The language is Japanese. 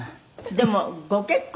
「でもご結婚